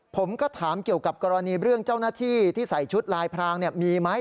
ผมก็ถามเกี่ยวกับกรณีเรื่องเจ้าหน้าที่ที่ใส่ชุดลายพรางมีไหม